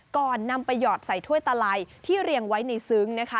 ก่อนนำไปหยอดใส่ถ้วยตะไลที่เรียงไว้ในซึ้งนะคะ